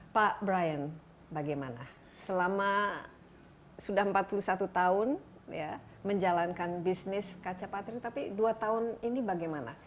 pak brian bagaimana selama sudah empat puluh satu tahun menjalankan bisnis kaca patri tapi dua tahun ini bagaimana